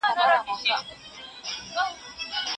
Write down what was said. موږ بايد د فکري ارتقا لپاره په پوره مينه کار وکړو.